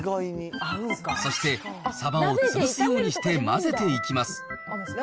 そしてサバを潰すようにして混ぜていきます。